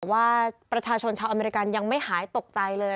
ว่าประชาชนชาวอเมริกันยังไม่หายตกใจเลย